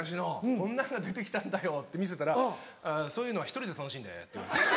こんなんが出て来たんだよ」って見せたら「そういうのは１人で楽しんで」って言われて。